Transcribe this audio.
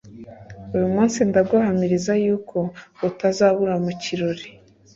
uyu munsi ndaguhamiriza yuko utazabura mu kirori.